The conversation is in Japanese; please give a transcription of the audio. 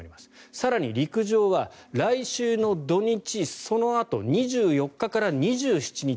更に陸上は来週の土日そのあと２４日から２７日